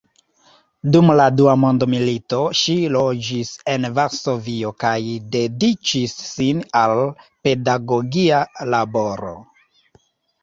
Dum la dua mondmilito ŝi loĝis en Varsovio kaj dediĉis sin al pedagogia laboro.